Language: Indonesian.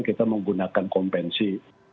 kita menggunakan konvensi